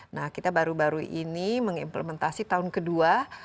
nah kita baru baru ini mengimplementasi tahun kedua